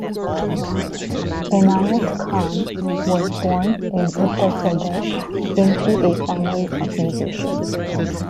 Enayat Khan was born in Uttar Pradesh into a family of musicians.